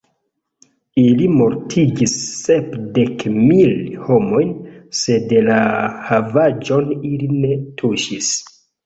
Ili mortigis sepdek mil homojn, sed la havaĵon ili ne tuŝis.